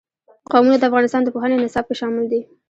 قومونه د افغانستان د پوهنې نصاب کې شامل دي.